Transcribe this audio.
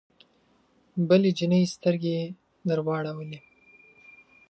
بلې جینۍ سترګې درواړولې